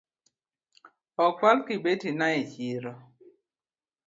Okwal kibeti na e chiro